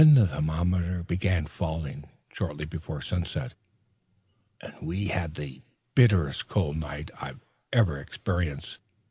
The thermometer began falling shortly before sunset and we had the bitterest cold night I ever experienced.